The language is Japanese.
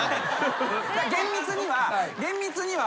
厳密には。